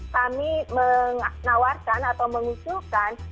kami menawarkan atau mengusulkan